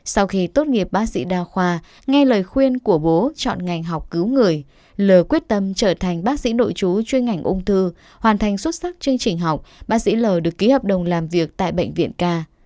sau khi tốt nghiệp bác sĩ đa khoa nghe lời khuyên của bố chọn ngành học cứu người lờ quyết tâm trở thành bác sĩ nội chú chuyên ngành ung thư hoàn thành xuất sắc chương trình học bác sĩ l được ký hợp đồng làm việc tại bệnh viện ca